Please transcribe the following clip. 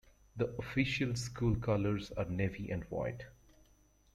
The official school colors are navy and white.